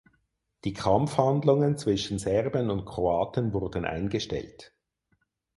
Die Kampfhandlungen zwischen Serben und Kroaten wurden eingestellt.